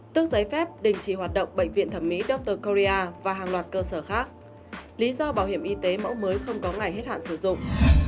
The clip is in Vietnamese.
tước giấy phép đình chỉ hoạt động bệnh viện thẩm mỹ dowtoria và hàng loạt cơ sở khác lý do bảo hiểm y tế mẫu mới không có ngày hết hạn sử dụng